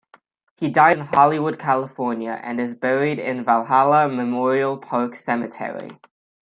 He died in Hollywood, California, and is buried in Valhalla Memorial Park Cemetery.